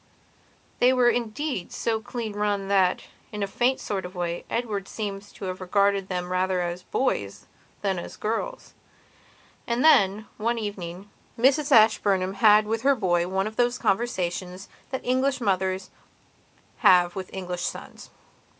They were indeed so clean run that, in a faint sort of way, Edward seems to have regarded them rather as boys than as girls. And then, one evening, Mrs Ashburnham had with her boy one of those conversations that English mothers have with English sons.